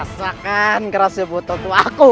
rasakan kerasa botol tua aku